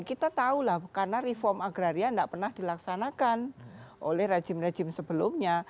kita tahulah karena reform agraria nggak pernah dilaksanakan oleh rajin rajin sebelumnya